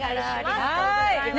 ありがとうございます。